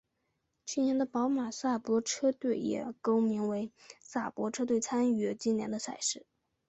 去年的宝马萨伯车队也更名为萨伯车队参与今年的赛事。